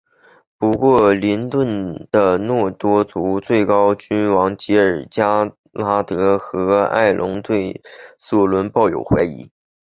不过林顿的诺多族最高君王吉尔加拉德和爱隆对索伦抱有怀疑。